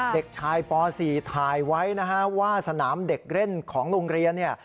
เด็กชายป๔ถ่ายไว้ว่าสนามเด็กเล่นของโรงเรียน